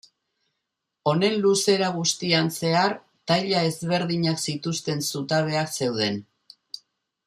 Honen luzera guztian zehar taila ezberdinak zituzten zutabeak zeuden.